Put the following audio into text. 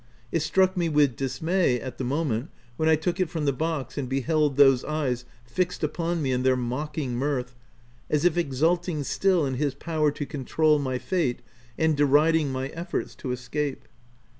It struck me with dismay, at the moment, when I took it from the box and beheld those eyes fixed upon me in their mocking mirth, as if exulting, still, in his power to control my fate, and deriding my efforts to escape.